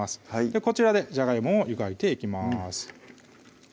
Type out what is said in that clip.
こちらでじゃがいもを湯がいていきます